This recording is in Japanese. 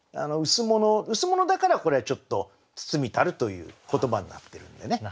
羅だからこれはちょっと「包みたる」という言葉になっているんでね。